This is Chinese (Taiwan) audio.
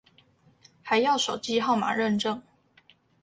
還要手機號碼認證